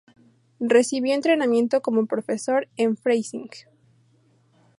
Recibió entrenamiento como profesor en Freising.